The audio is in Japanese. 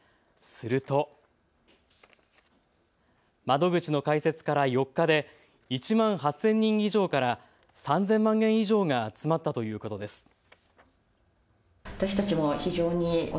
すると窓口の開設から４日で１万８０００人以上から３０００万円以上が集まったということです。